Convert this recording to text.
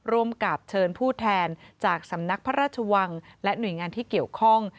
ร่วมกับเชิญผู้แทนจากสำนักพระราชวังและหน่วยงานที่เกี่ยวข้อง